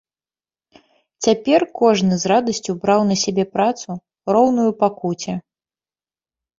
Цяпер кожны з радасцю браў на сябе працу, роўную пакуце.